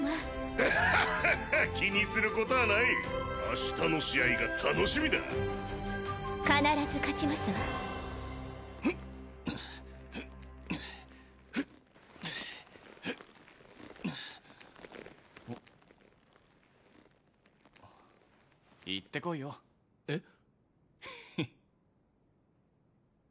ハッハッハッハッ気にすることはない明日の試合が楽しみだ必ず勝ちますわ行ってこいよえっ？